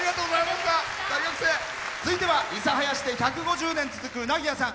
続いては諫早市で１５０年続くうなぎ屋さん。